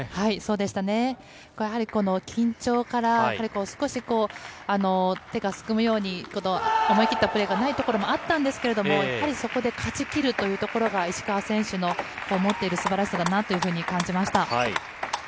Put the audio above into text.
やはり、緊張からやはり少し手がすくむように、思い切ったプレーがないところもあったんですけど、やはりそこで勝ちきるというところが、石川選手の持っているすばらしさだなというふうに感じました。